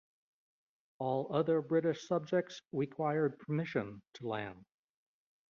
All other British subjects required permission to land.